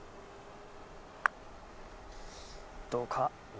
どうか？